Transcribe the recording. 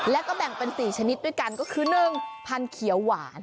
แล้วก็แบ่งเป็น๔ชนิดด้วยกันก็คือ๑พันธุ์เขียวหวาน